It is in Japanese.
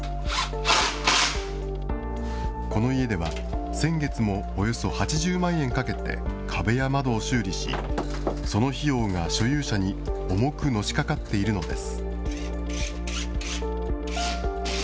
この家では先月もおよそ８０万円かけて、壁や窓を修理し、その費用が所有者に重くのしかかっているのです。